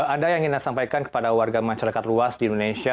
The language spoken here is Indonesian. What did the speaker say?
ada yang ingin anda sampaikan kepada warga masyarakat luas di indonesia